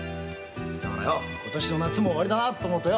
今年の夏も終わりだなと思うとよ